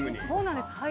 そうなんです。